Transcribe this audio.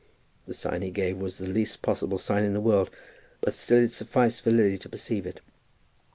The sign he gave was the least possible sign in the world; but still it sufficed for Lily to perceive it.